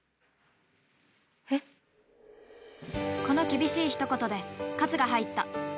この厳しいひと言で喝が入った